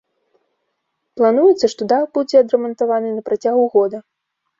Плануецца, што дах будзе адрамантаваны на працягу года.